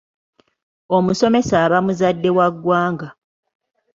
Omusomesa aba muzadde wa ggwanga.